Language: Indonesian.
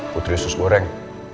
putri usus goreng